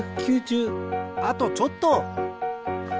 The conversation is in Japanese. あとちょっと！